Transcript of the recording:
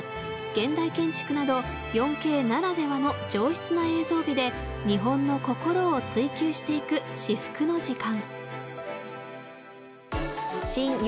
現代建築など４Ｋならではの上質な映像美で日本の心を追求していく至福の時間。